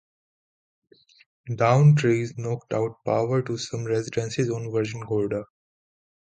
Downed trees knocked out power to some residences on Virgin Gorda.